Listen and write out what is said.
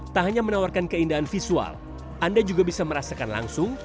tak hanya menawarkan keindahan visual anda juga bisa merasakan langsung